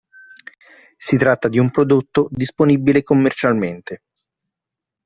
Si tratta di un prodotto disponibile commercialmente.